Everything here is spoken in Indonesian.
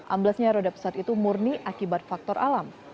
amblesnya roda pesawat itu murni akibat faktor alam